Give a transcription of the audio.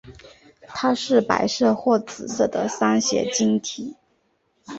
它是白色或紫色的三斜晶体。